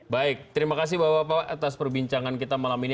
baik terima kasih bapak bapak atas perbincangan kita malam ini